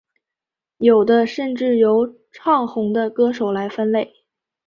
有的甚至由唱红的歌手来分类。